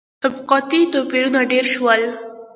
• طبقاتي توپیرونه ډېر شول.